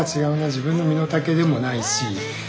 自分の身の丈でもないし。